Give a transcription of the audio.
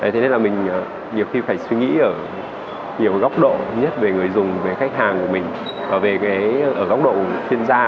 thế nên là mình nhiều khi phải suy nghĩ ở nhiều góc độ nhất về người dùng về khách hàng của mình về ở góc độ chuyên gia